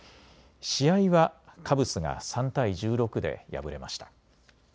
試合はカブスが３対１６で敗れました。